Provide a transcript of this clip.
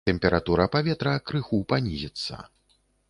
Тэмпература паветра крыху панізіцца.